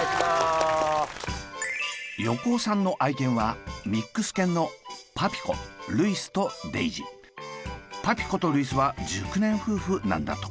横尾さんの愛犬はミックス犬のパピコとルイスは熟年夫婦なんだとか。